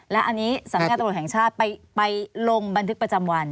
และอันนี้สรรค์การตะวัลแห่งชาติไปลงบันทึกประจำวัน